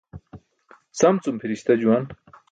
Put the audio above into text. Sam cum pʰiri̇sta juwan.